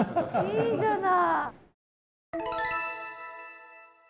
いいじゃない。